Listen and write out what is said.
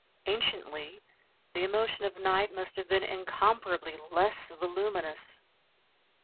Anciently the emotion of night must have been incomparably less voluminous.